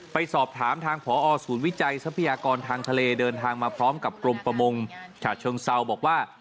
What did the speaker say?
ไปสอบถามทางผอศูนย์วิจัยทรัพยากรทางทะเลเดินทางมาพร้อมกับกรมประมงฉะเชิงเซาบอกว่า